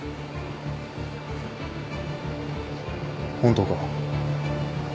本当か？